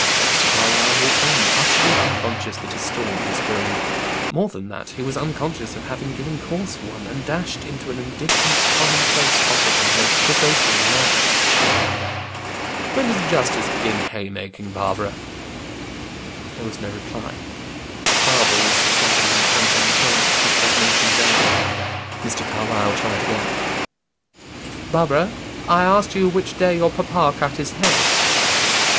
Mr. Carlyle walked on, utterly unconscious that a storm was brewing. More than that, he was unconscious of having given cause for one, and dashed into an indifferent, common place topic in the most provoking manner. "When does the justice begin haymaking, Barbara?" There was no reply. Barbara was swelling and panting, and trying to keep her emotion down. Mr. Carlyle tried again, "Barbara, I asked you which day your papa cut his hay."